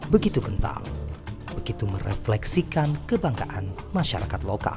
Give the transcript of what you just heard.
begitu kental begitu merefleksikan kebanggaan masyarakat lokal